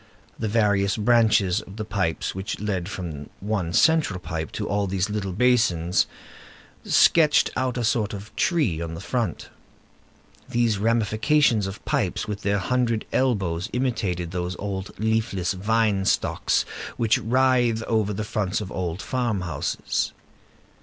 The various branches of the pipes which led from one central pipe to all these little basins sketched out a sort of tree on the front. These ramifications of pipes with their hundred elbows imitated those old leafless vine stocks which writhe over the fronts of old farm houses.